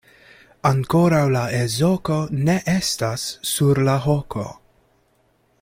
Ankoraŭ la ezoko ne estas sur la hoko.